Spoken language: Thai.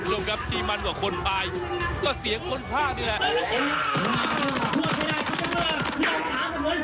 รวมกับที่มันกว่าคนปลายก็เสียงคนภาคนี่แหละ